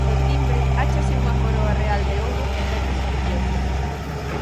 No timbre áchase unha coroa real de ouro e pedras preciosas.